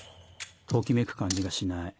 ときめく感じがしない。